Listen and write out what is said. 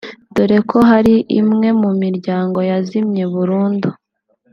dore ko hari imwe mu miryango yazimye burundu